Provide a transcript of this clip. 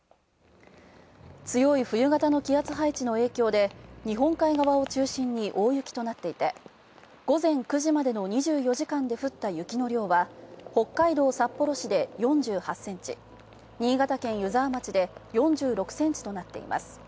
強い冬型の気圧配置の影響で日本海側を中心に大雪となっていて午前９時までの２４時間で降った雪の量は北海道・札幌市で４８センチ、新潟県・湯沢町で４６センチとなっています。